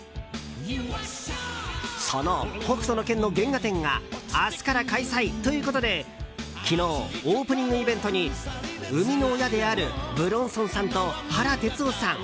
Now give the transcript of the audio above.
その「北斗の拳」の原画展が明日から開催ということで昨日オープニングイベントに生みの親である武論尊さんと原哲夫さん